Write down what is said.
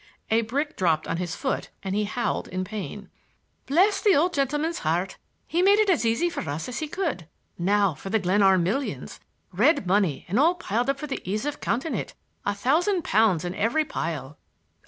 A brick dropped on his foot and he howled in pain. "Bless the old gentleman's heart! He made it as easy for us as he could. Now, for the Glenarm millions, —red money all piled up for the ease of counting it,— a thousand pounds in every pile."